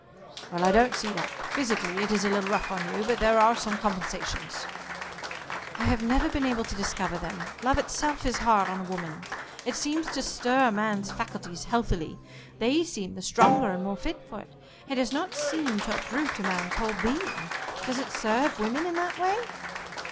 "Well, I don't see that. Physically it is a little rough on you, but there are compensations." "I have never been able to discover them. Love itself is hard on a woman. It seems to stir a man's faculties healthily. They seem the stronger and more fit for it. It does not seem to uproot a man's whole being. Does it serve women in that way?"